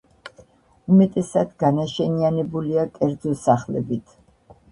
უმეტესად განაშენიანებულია კერძო სახლებით.